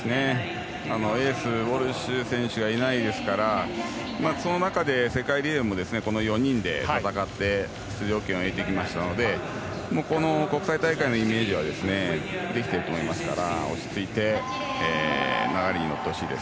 ウォルシュ選手がいないですからその中で世界リレーでもこの４人で戦って出場権を得てきましたので国際大会のイメージはできていると思いますから落ち着いて流れに乗ってほしいです。